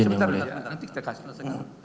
nanti kita kasih